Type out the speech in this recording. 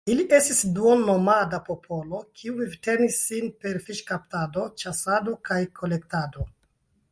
Ili estis duon-nomada popolo, kiu vivtenis sin per fiŝkaptado, ĉasado kaj kolektado.